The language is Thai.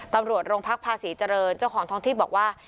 ตำรวจโรงพักภาษีเจริญเจ้าของท้องที่บอกว่า